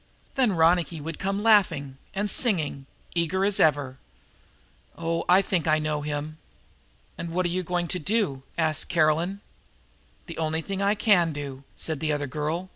Then Ronicky would come laughing and singing, eager as ever. Oh, I think I know him!" "And what are you going to do?" asked Caroline. "The only thing I can do," said the other girl.